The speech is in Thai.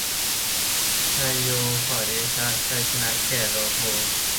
ไชโยขอเดชะ ชัยชนะแก่โลโภ